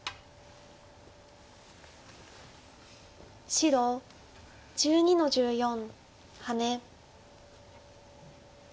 白１２の十四ハネ。